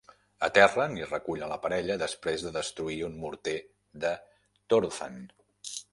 Aterren i recullen la parella després de destruir un morter de Torothan.